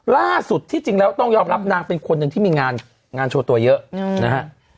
ล่าสุดที่จริงแล้วต้องยอมรับนางเป็นคนหนึ่งที่มีงานโชว์ตัวเยอะนะฮะ